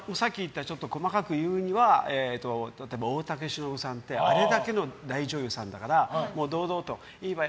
細かく言うには大竹しのぶさんってあれだけの大女優さんだから堂々と、いいわよ